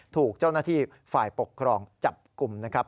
ถูกเจ้าหน้าที่ฝ่ายปกครองจับกลุ่มนะครับ